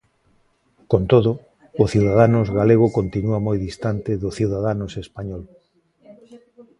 Con todo, o Ciudadanos galego continúa moi distante do Ciudadanos español.